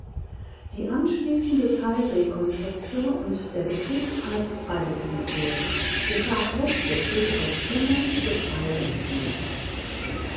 Die anschließende Teilrekonstruktion und der Betrieb als Freilichtmuseum geschah hauptsächlich auf Schumanns Betreiben hin.